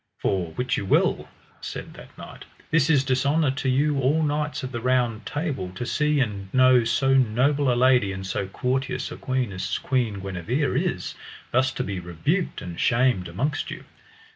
For wit you well, said that knight, this is dishonour to you all knights of the Round Table, to see and know so noble a lady and so courteous a queen as Queen Guenever is, thus to be rebuked and shamed amongst you.